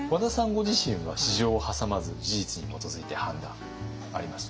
ご自身は私情をはさまず事実に基づいて判断あります？